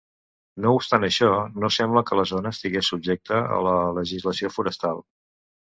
No obstant això, no sembla que la zona estigués subjecte a la legislació forestal.